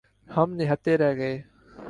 ہم نہتے رہ گئے۔